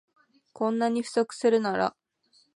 こんなに不足するなら